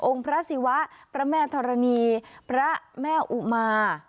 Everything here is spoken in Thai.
พระศิวะพระแม่ธรณีพระแม่อุมา